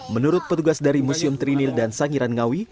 menurut petugas dari museum trinil dan sangiran ngawi